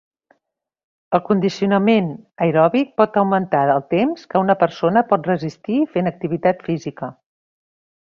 El condicionament aeròbic pot augmentar el temps que una persona pot resistir fent activitat física.